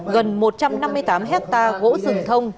gần một trăm năm mươi tám hectare gỗ rừng thông